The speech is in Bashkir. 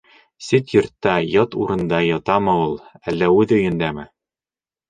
Сит йортта, ят урында ятамы ул, әллә үҙ өйөндәме?